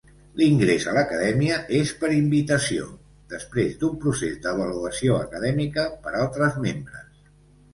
L'ingrés a l'Acadèmia és per invitació, després d'un procés d'avaluació acadèmica per altres membres.